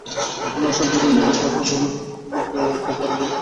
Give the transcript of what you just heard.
আমরা আশঙ্কা করি, বিগত বছরগুলোর মতো এবারেও এটা গতানুগতিকভাবে অনুমোদন লাভ করতে পারে।